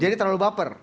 jadi terlalu baper